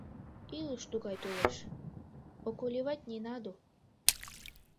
Илыш тугай толеш, околевать не надо.